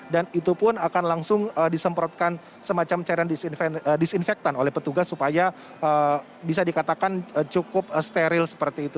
dan itu pun akan langsung disemprotkan semacam cairan disinfektan oleh petugas supaya bisa dikatakan cukup steril seperti itu